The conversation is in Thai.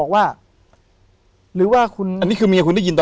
ผมก็ไม่เคยเห็นว่าคุณจะมาทำอะไรให้คุณหรือเปล่า